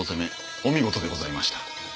お見事でございました